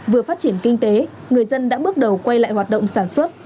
vừa phát triển kinh tế người dân đã bước đầu quay lại hoạt động sản xuất